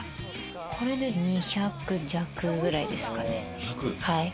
これで２００弱くらいですかね。